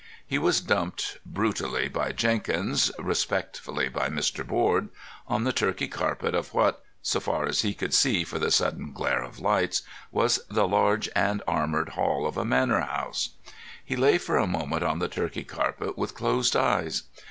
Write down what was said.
He was dumped, brutally by Jenkins, respectfully by Mr. Board, on the Turkey carpet of what—so far as he could see for the sudden glare of lights—was the large and armoured hall of a manor house. He lay for a moment on the Turkey carpet with closed eyes.